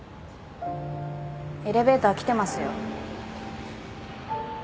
エレベーター来てますよ。